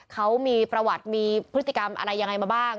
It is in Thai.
เขามีประวัติมีพฤติกรรมอะไรยังไงมาบ้าง